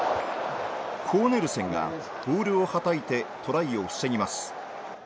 コーネルセンがボールをはたいてトライを防ぎます。